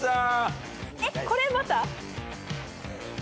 えっこれまた？